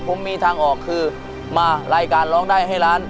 ผมมีทางออกคือมารายการร้องได้ให้ล้าน